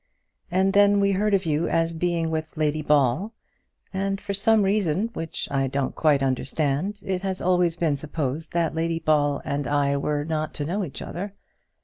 And then we heard of you as being with Lady Ball, and for some reason, which I don't quite understand, it has always been supposed that Lady Ball and I were not to know each other.